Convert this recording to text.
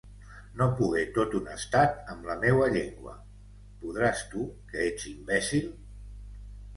No pogué tot un estat amb la meua llengua, podràs tu que ets imbècil!